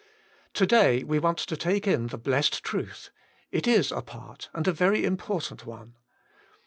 To day we want to take in the blessed truth : It is a part, and a very im portant one.